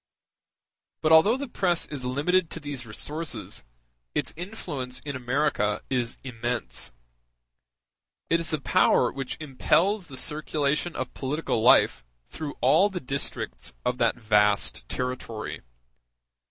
But although the press is limited to these resources, its influence in America is immense. It is the power which impels the circulation of political life through all the districts of that vast territory.